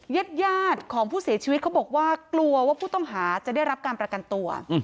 ญาติยาดของผู้เสียชีวิตเขาบอกว่ากลัวว่าผู้ต้องหาจะได้รับการประกันตัว